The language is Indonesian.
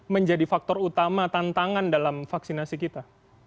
menjadi faktor utama tantangan dalam vaksinasi kita